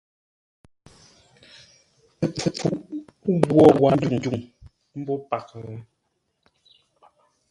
Ləpfuʼ ghwô warə́ ndwuŋ mbó paghʼə?